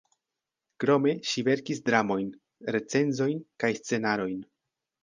Krome ŝi verkis dramojn, recenzojn kaj scenarojn.